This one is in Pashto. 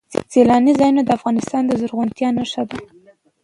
سیلانی ځایونه د افغانستان د زرغونتیا نښه ده.